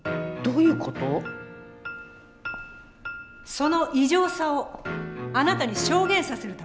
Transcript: その異常さをあなたに証言させるためです。